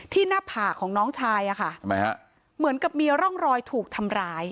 หน้าผากของน้องชายอะค่ะทำไมฮะเหมือนกับมีร่องรอยถูกทำร้าย